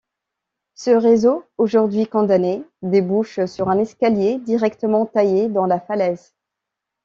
Ce réseau, aujourd'hui condamné, débouche sur un escalier directement taillé dans la falaise.